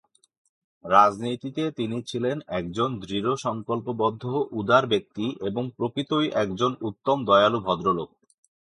রাজনীতিতে তিনি ছিলেন একজন দৃঢ়সংকল্পবদ্ধ উদার ব্যক্তি এবং প্রকৃতই একজন উত্তম, দয়ালু ভদ্রলোক।